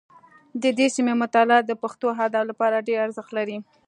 د دې سیمې مطالعه د پښتو ادب لپاره ډېر ارزښت لري